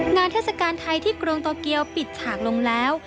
เทศกาลไทยที่กรุงโตเกียวปิดฉากลงแล้ว